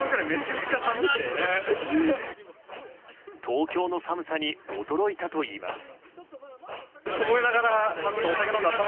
東京の寒さに驚いたといいます。